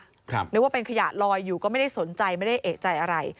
นึกว่าเป็นขยะลอยอยู่ก็ไม่ได้สนใจไม่ได้เอกใจอะไร